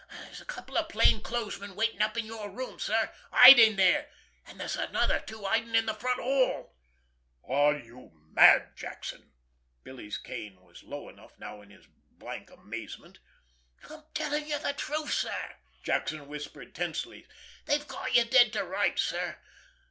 There's a couple of plain clothesmen waiting up in your room, sir, hiding there, and there's another two hiding in the front hall." "Are you mad, Jackson!" Billy Kane's voice was low enough now in its blank amazement. "I'm telling you the truth, sir," Jackson whispered tensely. "They've got you dead to rights, sir.